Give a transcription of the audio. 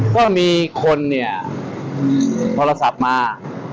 ก็มีคนเนี่ยโทรศัพท์มา